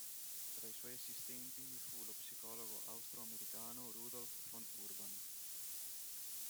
Tra i suoi assistenti vi fu lo psicologo austro-americano Rudolf von Urban.